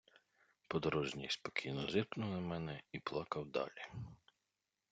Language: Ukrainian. Подорожній спокійно зиркнув на мене і плакав далі.